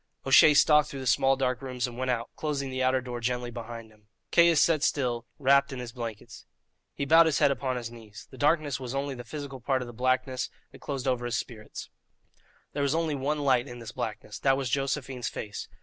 O'Shea stalked through the small dark rooms and went out, closing the outer door gently behind him. Caius sat still, wrapped in his blankets. He bowed his head upon his knees. The darkness was only the physical part of the blackness that closed over his spirit. There was only one light in this blackness that was Josephine's face.